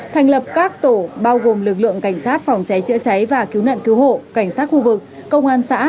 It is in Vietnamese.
thành lập các tổ bao gồm lực lượng cảnh sát phòng cháy chữa cháy và cứu nạn cứu hộ cảnh sát khu vực công an xã